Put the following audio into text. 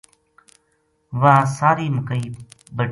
واہ ساری مکئی بڈھی